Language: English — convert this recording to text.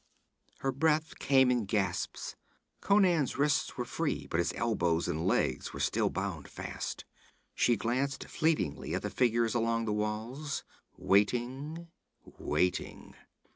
Her breath came in gasps; Conan's wrists were free, but his elbows and legs were still bound fast. She glanced fleetingly at the figures along the walls waiting, waiting.